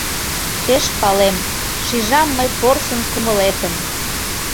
Пеш палем, шижам мый порсын кумылетым.